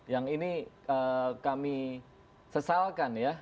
yang ini kami sesalkan ya